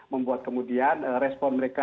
membuat kemudian respon mereka